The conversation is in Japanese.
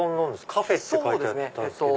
カフェって書いてあったけど。